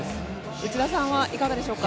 内田さんはいかがでしょうか？